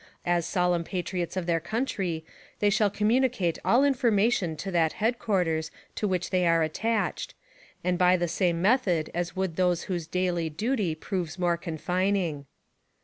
As solemn patriots of their country they shall communicate all information to that headquarters to which they are attached, and by the same metihod as would those whose daily duty proves more confining.